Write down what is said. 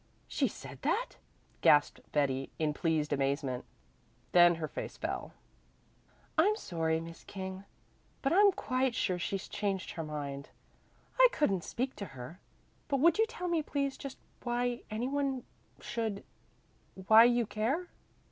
"She said that!" gasped Betty in pleased amazement. Then her face fell. "I'm sorry, Miss King, but I'm quite sure she's changed her mind. I couldn't speak to her; but would you tell me please just why any one should why you care?"